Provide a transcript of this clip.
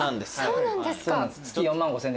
そうなんですか。